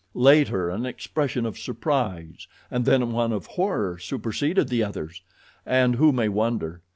Later an expression of surprise and then one of horror superseded the others. And who may wonder.